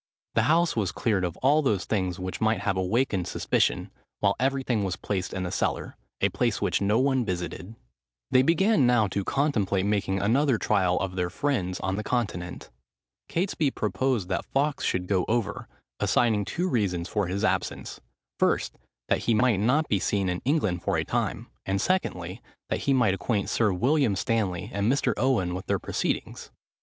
The house was cleared of all those things which might have awakened suspicion, while everything was placed in the cellar,—a place which no one visited. They began now to contemplate making another trial of their friends on the Continent. Catesby proposed that Fawkes should go over, assigning two reasons for his absence; first, that he might not be seen in England for a time; and secondly, that he might acquaint Sir William Stanley and Mr. Owen with their proceedings.